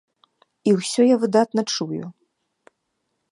І ўсё я выдатна чую.